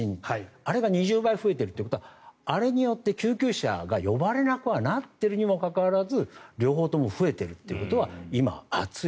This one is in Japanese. あれが２０倍に増えているということはあれによって救急車が呼ばれなくなっているにもかかわらず両方とも増えているということは今、暑い。